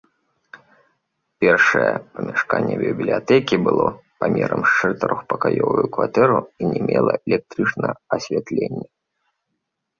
Першае памяшканне бібліятэкі было памерам з чатырохпакаёвую кватэру і не мела электрычнага асвятлення.